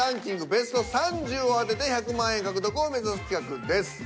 ベスト３０を当てて１００万円獲得を目指す企画です。